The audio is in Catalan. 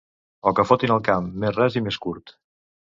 O que fotin el camp, més ras i més curt.